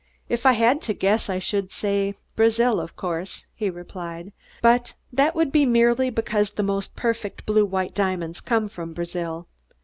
"If I had to guess I should say Brazil, of course," he replied; "but that would be merely because the most perfect blue white diamonds come from Brazil.